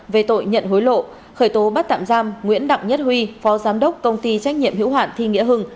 về tội nhận hối lộ khởi tố bắt tạm giam nguyễn đặng nhất huy phó giám đốc công ty trách nhiệm hữu hạn thi nghĩa hưng